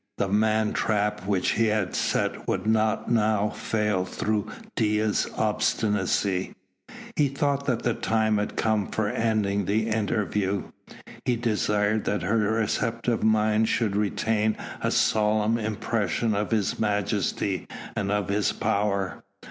The man trap which he had set would not now fail through Dea's obstinacy. He thought that the time had come for ending the interview. He desired that her receptive mind should retain a solemn impression of his majesty and of his power.